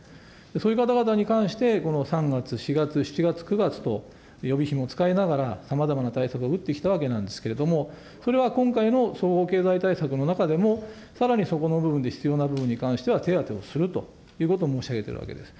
そういう方々に関して、この３月、４月、７月、９月と予備費も使いながら、さまざまな対策を打ってきたわけなんですけれども、それは今回の総合経済対策の中でもさらにそこの部分で必要な部分に関しては手当てをすると、そういうことを申し上げているわけです。